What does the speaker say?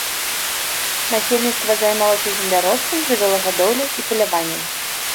Насельніцтва займалася земляробствам, жывёлагадоўляй і паляваннем.